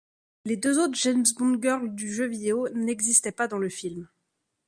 Les deux autres James Bond girls du jeu vidéo n'existaient pas dans le film.